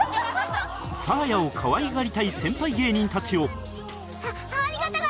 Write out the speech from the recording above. サーヤを可愛がりたい先輩芸人たちを